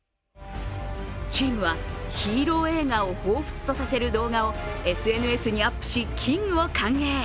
チームは、ヒーロー映画をほうふつとさせる動画をＳＮＳにアップしキングを歓迎。